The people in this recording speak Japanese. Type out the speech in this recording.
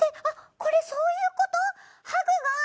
これそういう事？